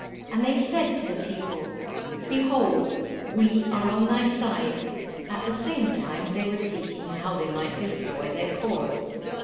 And they said to the people, behold we are on thy side, at the same time they were seeking how they might destroy their cause.